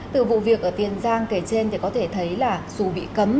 từ vụ việc ở tiền giang kể trên thì có thể thấy là dù bị cấm